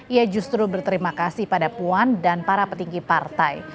ia justru berterima kasih pada puan dan para petinggi partai